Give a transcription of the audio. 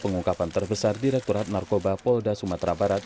pengungkapan terbesar direkturat narkoba polda sumatera barat